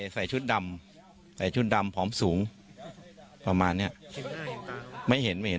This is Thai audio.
ใส่ชุดดำใส่ชุดดำผอมสูงประมาณเนี้ยไม่เห็นไม่เห็น